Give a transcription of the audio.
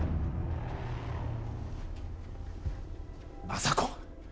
政子